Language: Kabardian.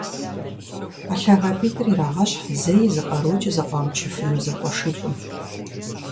А лъагапIитIыр ирагъэщхь зэи зы къэрукIи зэкъуамычыфыну зэкъуэшитIым